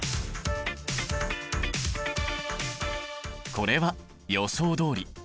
これは予想どおり。